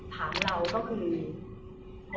ถามเราก็คือ